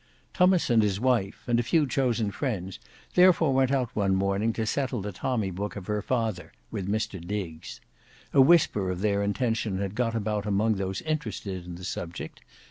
Tummas and his wife, and a few chosen friends, therefore went out one morning to settle the tommy book of her father with Mr Diggs. A whisper of their intention had got about among those interested in the subject.